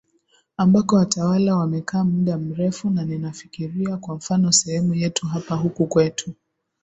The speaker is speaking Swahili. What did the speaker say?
ambako watawala wamekaa muda mrefu na ninafikiria kwa mfano sehemu yetu hapa huku kwetu